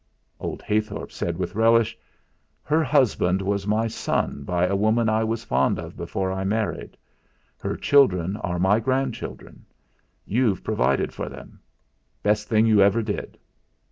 Old Heythorp said with relish: "Her husband was my son by a woman I was fond of before I married; her children are my grandchildren. You've provided for them. Best thing you ever did."